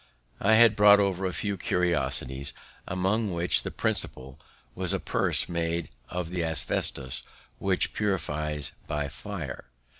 I had brought over a few curiosities, among which the principal was a purse made of the asbestos, which purifies by fire.